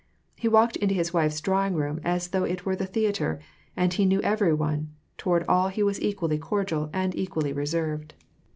He walked into his wife's drawing room as though it were the theatre ; he knew every one, toward all he was eciually cordial and equally reserved.